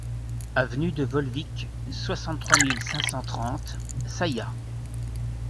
Avenue de Volvic, soixante-trois mille cinq cent trente Sayat